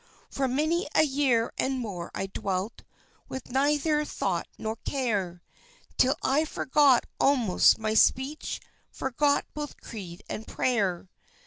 For many a year and more, I dwelt With neither thought nor care, Till I forgot almost my speech, Forgot both creed and prayer.